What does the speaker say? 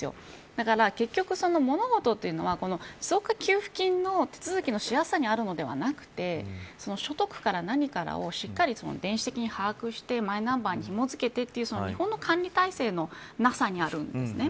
だから結局、物事というのは持続化給付金の手続きのしやすさにあるのではなくて所得から何からをしっかり電子的に把握してマイナンバーにひも付けてという日本の管理体制のなさにあるんです。